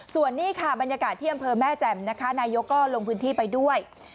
ส่วนนี้บรรยากาศเที่ยงเผลอแม่แจ่มนายกก็ลงพื้นที่ไปด้วย